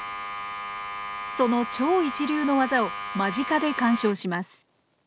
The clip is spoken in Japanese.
その超一流のわざを間近で鑑賞します。